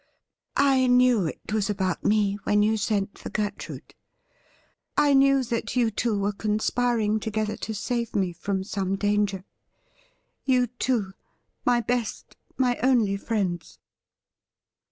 ' I knew it was about me when you sent for Gertrude. I knew that you two were conspiring together to save me from some danger — you two — my best, my only friends.''